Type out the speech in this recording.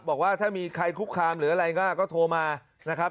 บอกว่าถ้ามีใครคุกคามหรืออะไรก็โทรมานะครับ